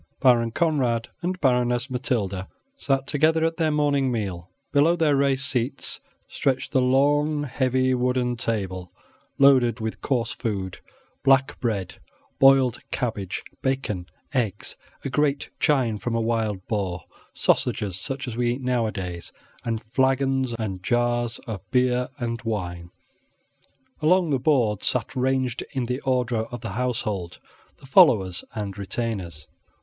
Baron Conrad and Baroness Matilda sat together at their morning meal below their raised seats stretched the long, heavy wooden table, loaded with coarse food black bread, boiled cabbage, bacon, eggs, a great chine from a wild boar, sausages, such as we eat nowadays, and flagons and jars of beer and wine, Along the board sat ranged in the order of the household the followers and retainers.